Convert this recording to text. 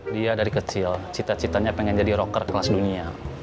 dia dari kecil cita citanya pengen jadi rocker kelas dunia